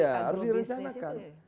iya harus direncanakan